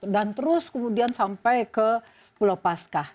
dan terus kemudian sampai ke pulau paskah